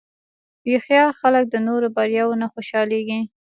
هوښیار خلک د نورو بریاوو نه خوشحالېږي.